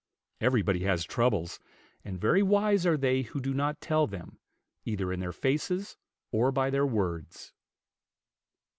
Everybody has troubles; and very wise are they who do not tell them, either in their faces or by their words.